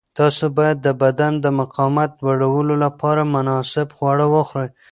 تاسو باید د بدن د مقاومت لوړولو لپاره مناسب خواړه وخورئ.